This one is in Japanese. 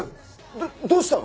どどうしたの？